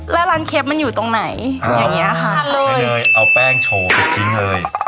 แล้วร้านเคฟมันอยู่ตรงไหนอย่างเงี้ยค่ะเอาแป้งโฉไปทิ้งเลย